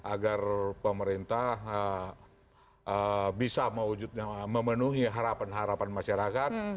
agar pemerintah bisa memenuhi harapan harapan masyarakat